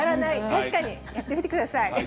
確かに、やってみてください。